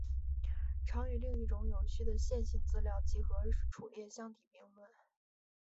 常与另一种有序的线性资料集合伫列相提并论。